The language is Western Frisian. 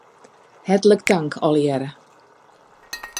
Hertlik tank allegearre.